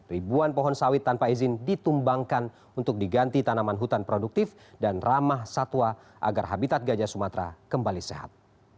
ribuan pohon sawit tanpa izin ditumbangkan untuk diganti tanaman hutan produktif dan ramah satwa agar habitat gajah sumatera kembali sehat